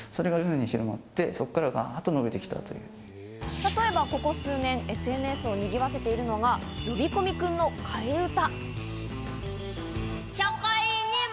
例えばここ数年、ＳＮＳを賑わせているのが、呼び込み君の替え歌。